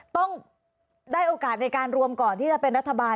ต้องได้โอกาสในการรวมก่อนที่จะเป็นรัฐบาล